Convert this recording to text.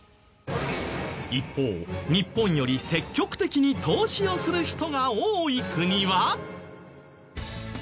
一方日本より積極的に投資をする人が多い国は？